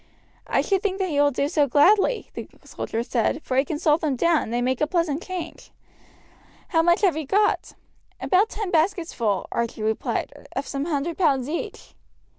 "I should think that he will do so gladly," the soldier said, "for he can salt them down, and they make a pleasant change. How much have you got?" "About ten baskets full," Archie replied, "of some hundred pounds each."